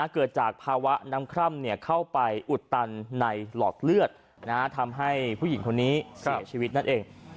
เกิดจากภาวะน้ำคร่ำเข้าไปอุดตันในหลอดเลือดทำให้ผู้หญิงคนนี้เสียชีวิตนั่นเอง